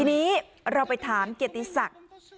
ทีนี้เราไปถามเกียรติศักดิ์